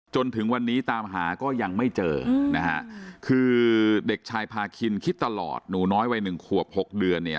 จนถึงวันนี้ตามหาก็ยังไม่เจอนะฮะคือเด็กชายพาคินคิดตลอดหนูน้อยวัยหนึ่งขวบ๖เดือนเนี่ย